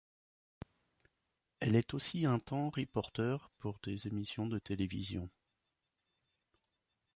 Elle est aussi un temps reporter pour des émissions de télévision.